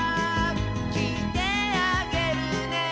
「きいてあげるね」